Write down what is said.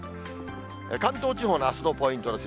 関東地方のあすのポイントです。